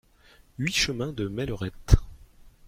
huit chemin de Mellerettes